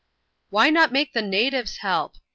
"Why not make the natives help?"